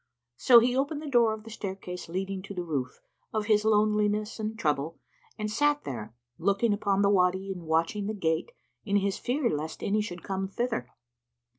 So, he opened the door of the staircase leading to the roof, of his loneliness and trouble, and sat there, looking upon the Wady and watching the gate, in his fear lest any should come thither.